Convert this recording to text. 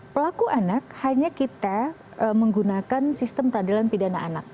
pelaku anak hanya kita menggunakan sistem peradilan pidana anak